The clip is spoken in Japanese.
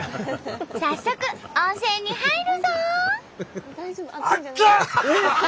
早速温泉に入るぞ！